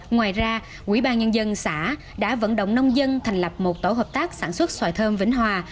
ngoài ra quỹ ban nhân dân xã đã vận động nông dân thành lập một tổ hợp tác sản xuất xoài thơm vĩnh hòa